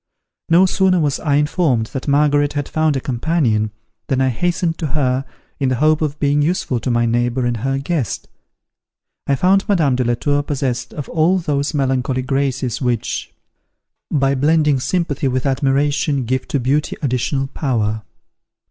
No sooner was I informed that Margaret had found a companion, than I hastened to her, in the hope of being useful to my neighbour and her guest. I found Madame de la Tour possessed of all those melancholy graces which, by blending sympathy with admiration give to beauty additional power.